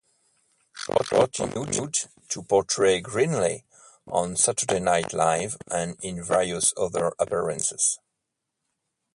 Short continued to portray Grimley on "Saturday Night Live" and in various other appearances.